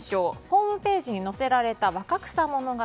ホームページに載せられた「若草物語」。